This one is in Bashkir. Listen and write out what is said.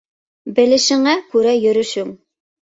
Белешеңә күрә йөрөшөң.